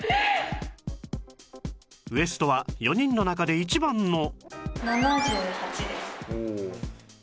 ウエストは４人の中で一番の